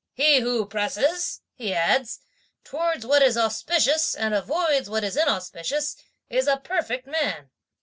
'He who presses,' he adds, 'towards what is auspicious and avoids what is inauspicious is a perfect man.'